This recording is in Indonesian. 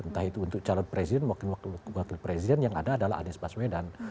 entah itu untuk calon presiden maupun wakil presiden yang ada adalah anies baswedan